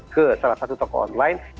ke salah satu toko online